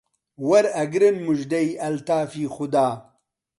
وەرئەگرن موژدەی ئەلتافی خودا